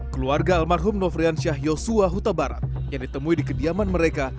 keluarga almarhum nofrian syah yosua huta barat yang ditemui di kediaman mereka